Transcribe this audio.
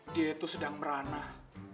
dia tuh sedang meranah